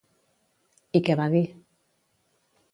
I què va dir?